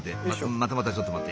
またまたちょっと待って。